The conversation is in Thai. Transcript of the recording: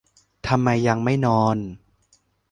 ทำไมยังไม่นอน